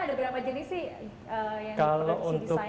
ada banyak jenis yang di produksi